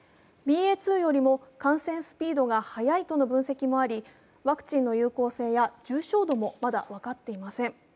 ＢＡ．２よりも感染スピードが速いとの分析もありワクチンの有効性や重症度もまだ分かっていません。